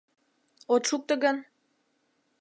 От шукто гын?